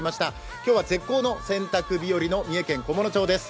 今日は絶好の洗濯日和の三重県菰野町です。